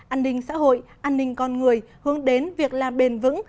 an ninh xã hội an ninh con người hướng đến việc làm bền vững